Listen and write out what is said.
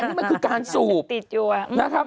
อันนี้มันคือการสูบติดอยู่